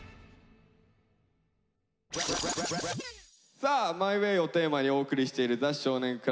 さあ「ＭＹＷＡＹ」をテーマにお送りしている「ザ少年倶楽部」。